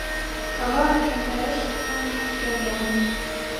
Кава яндарештын, келгемын.